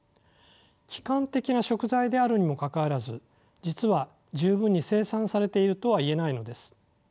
基幹的な食材であるにもかかわらず実は十分に生産されているとは言えないのです。